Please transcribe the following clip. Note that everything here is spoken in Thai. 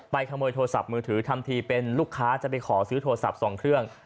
ขโมยโทรศัพท์มือถือทำทีเป็นลูกค้าจะไปขอซื้อโทรศัพท์๒เครื่อง